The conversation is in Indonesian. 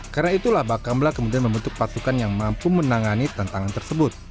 karena itulah bakamla kemudian membentuk pasukan yang mampu menangani tantangan tersebut